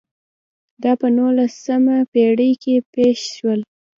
دا په نولسمه پېړۍ کې پېښ شول.